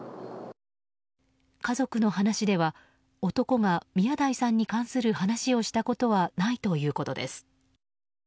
家族の話では、男が宮台さんに関する話をしたことはないということです。